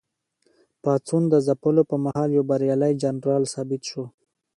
پاڅون د ځپلو پر مهال یو بریالی جنرال ثابت شو.